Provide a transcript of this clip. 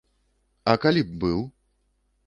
А калі б быў?